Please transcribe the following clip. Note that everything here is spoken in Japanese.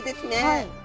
はい。